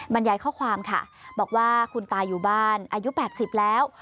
บรรยายข้อความค่ะบอกว่าคุณตาอยู่บ้านอายุ๘๐แล้ว